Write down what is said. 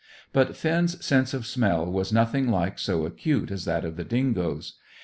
But Finn's sense of smell was nothing like so acute as that of the dingoes.